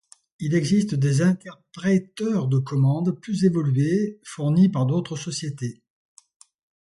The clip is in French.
Il existe des interpréteurs de commande plus évolués fournis par d'autres sociétés.